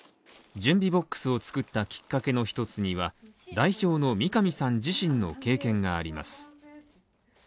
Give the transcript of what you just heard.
準備ＢＯＸを作ったきっかけの一つには、代表の三上さん自身の経験があります。